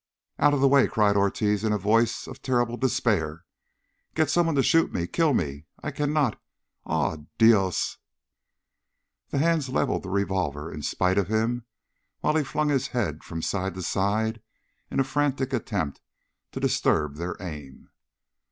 "Out of the way!" cried Ortiz in a voice of terrible despair. "Get someone to shoot me! Kill me! I cannot ah, Dios!" The hands leveled the revolver in spite of him, while he flung his head from side to side in a frantic attempt to disturb their aim.